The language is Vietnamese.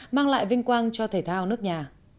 mang lại vinh quang cho thể thao nước nhà